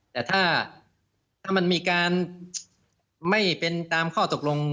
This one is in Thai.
แต่ถ้ามันมีการไม่เป็นตามข้อตกลง